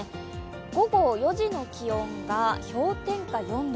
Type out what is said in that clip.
午後４時の気温が、氷点下４度。